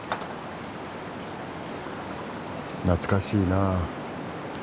懐かしいなあ。